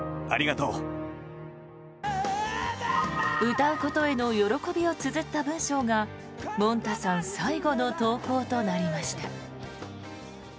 歌うことへの喜びをつづった文章がもんたさん最後の投稿となりました。